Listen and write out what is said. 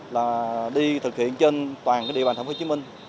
là đi thực hiện trên toàn địa bàn tp hcm